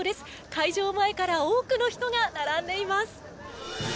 開場前から多くの人が並んでいます。